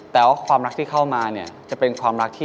แต่ว่าความรักที่เข้ามาเนี่ย